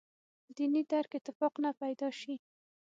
دیني درک اتفاق نه پیدا شي.